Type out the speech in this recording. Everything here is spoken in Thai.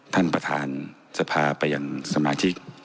ท่านประธานจะพาไปอย่างสมาชิก